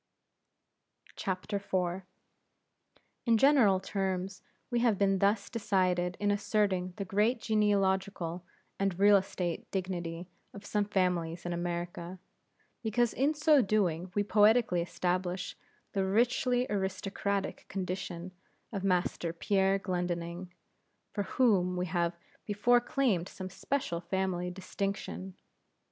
IV. In general terms we have been thus decided in asserting the great genealogical and real estate dignity of some families in America, because in so doing we poetically establish the richly aristocratic condition of Master Pierre Glendinning, for whom we have before claimed some special family distinction.